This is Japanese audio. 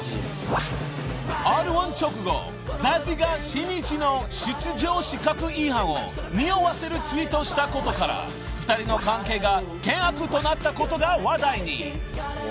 ［Ｒ−１直後ＺＡＺＹがしんいちの出場資格違反をにおわせるツイートをしたことから２人の関係が険悪となったことが話題に］